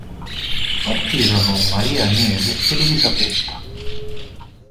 Partirono Maria Agnese ed Elisabetta.